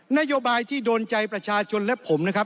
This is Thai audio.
นโยบายที่โดนใจประชาชนและผมนะครับ